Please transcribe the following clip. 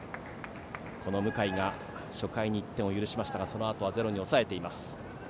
向井が初回に１点を許しましたがそのあとはゼロに抑えています。